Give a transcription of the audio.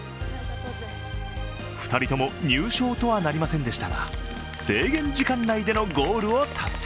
２人とも入賞とはなりませんでしたが、制限時間内でのゴールを達成。